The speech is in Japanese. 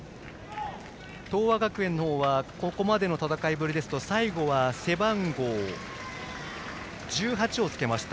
東亜学園はここまでの戦いぶりですと最後は背番号１８をつけました